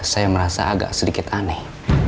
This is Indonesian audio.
saya merasa agak sedikit aneh